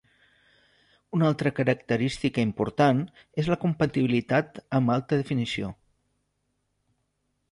Una altra característica important és la compatibilitat amb Alta Definició.